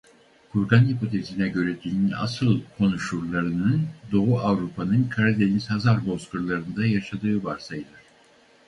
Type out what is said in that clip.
Kurgan hipotezine göre dilin asıl konuşurlarının Doğu Avrupa'nın Karadeniz-Hazar bozkırlarında yaşadığı varsayılır.